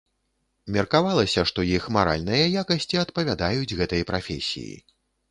Меркавалася, што іх маральныя якасці адпавядаюць гэтай прафесіі.